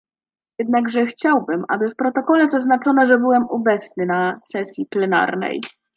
Jednakże chciałbym, aby w protokole zaznaczono, że byłem obecny na sesji plenarnej